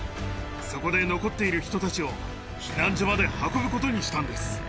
そこで残っている人たちを避難所まで運ぶことにしたんです。